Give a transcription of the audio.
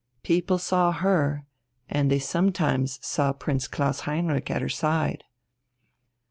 People saw her, and they sometimes saw Prince Klaus Heinrich at her side.